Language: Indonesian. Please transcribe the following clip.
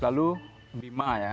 lalu bima ya